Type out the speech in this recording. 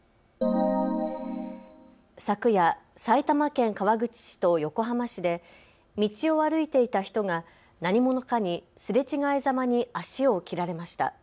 昨夜、埼玉県川口市と横浜市で道を歩いていた人が何者かにすれ違いざまに足を切られました。